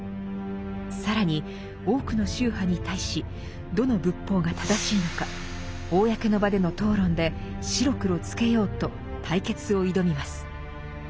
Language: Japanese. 更に多くの宗派に対しどの仏法が正しいのか公の場での討論で白黒つけようと対決を挑みます。